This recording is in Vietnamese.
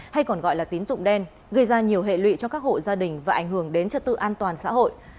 hay còn gọi là tín dụng đen gây ra nhiều hệ lụy cho các hộ gia đình và ảnh hưởng đến trật tự an toàn xã hội